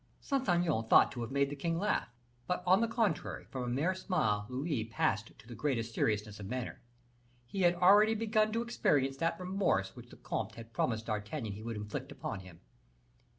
Saint Aignan thought to have made the king laugh; but on the contrary, from a mere smile Louis passed to the greatest seriousness of manner. He already began to experience that remorse which the comte had promised D'Artagnan he would inflict upon him.